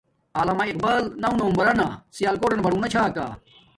علامہ اقبال نو نومبران سیاکوٹنہ باڈونا چھا کا